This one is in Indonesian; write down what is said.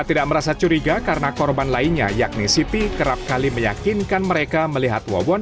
tidak merasa curiga karena korban lainnya yakni siti kerap kali meyakinkan mereka melihat wawon